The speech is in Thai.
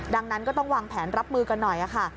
ดังนั้นก็ต้องวางแผนรับมือกันหน่อยค่ะ